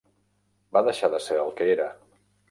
Va deixar de ser el que era.